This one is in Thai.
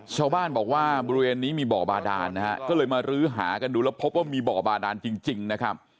ชาวบ้านบอกว่าบริเวณนี้มีบ่อบาดานนะฮะก็เลยมารื้อหากันดูแล้วพบว่ามีบ่อบาดานจริงนะครับ